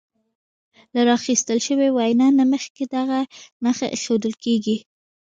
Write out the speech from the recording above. له راخیستل شوې وینا نه مخکې دغه نښه ایښودل کیږي.